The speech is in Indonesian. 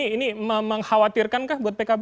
ini mengkhawatirkan kah buat pkb